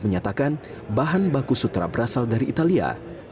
menyatakan bahan baku sutra berasal dari italia